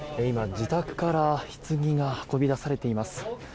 今、自宅からひつぎが運び出されています。